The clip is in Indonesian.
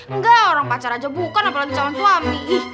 enggak orang pacar aja bukan apalagi calon suami